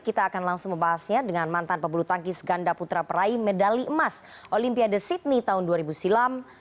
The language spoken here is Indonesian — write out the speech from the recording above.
kita akan langsung membahasnya dengan mantan pebulu tangkis ganda putra peraih medali emas olimpiade sydney tahun dua ribu silam